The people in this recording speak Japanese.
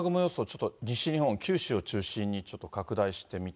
ちょっと西日本、九州を中心にちょっと拡大